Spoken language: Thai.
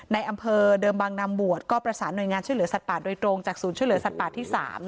ในอำเภอเดิมบางนำบวชก็ประสานหน่วยงานช่วยเหลือสัตว์ป่าโดยตรงจากศูนย์ช่วยเหลือสัตว์ป่าที่๓